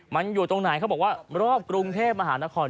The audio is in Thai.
มันอยู่ตรงไหนเขาบอกว่ารอบกรุงเทพมหานคร